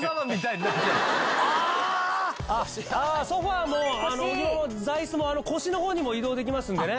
ソファも尾木ママの座椅子も腰の方にも移動できますのでね。